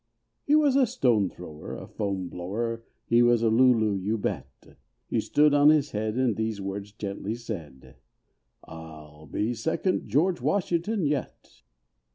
He was a stone thrower, a foam blower, He was a Loo Loo you bet, He stood on his head and these words gently said, "I'll be second George Washington yet."